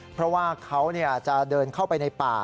เพราะว่าเขาจะเดินเข้าไปในป่า